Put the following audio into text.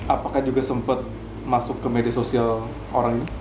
apakah juga sempat masuk ke media sosial orang ini